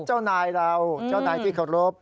เจ้านายเราเจ้านายที่เคารพ